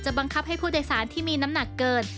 บังคับให้ผู้โดยสารที่มีน้ำหนักเกิน